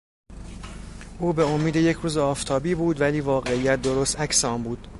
او به امید یک روز آفتابی بود ولی واقعیت درست عکس آن بود.